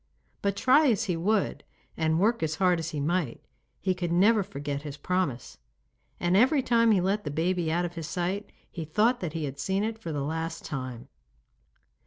But try as he would and work as hard as he might he could never forget his promise, and every time he let the baby out of his sight he thought that he had seen it for the last time.